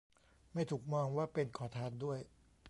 ไม่ถูกมองว่าเป็นขอทานด้วย